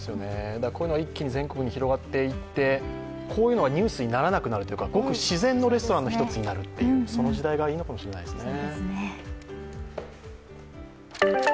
こういうのが一気に全国に広がっていって、こういうのがニュースにならなくなるというかごく自然のレストランの一つになる、その時代がいいのかもしれないですね。